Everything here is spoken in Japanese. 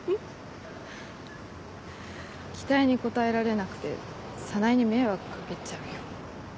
期待に応えられなくて沙苗に迷惑かけちゃうよ。